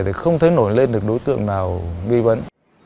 thì không thấy nổi lên được đối tượng nào ghi vấn